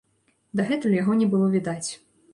Дагэтуль яго не было відаць.